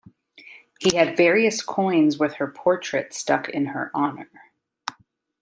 He had various coins with her portrait struck in her honor.